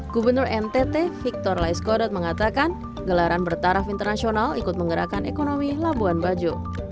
gubernur ntt victor laiskodot mengatakan gelaran bertaraf internasional ikut menggerakkan ekonomi labuan bajo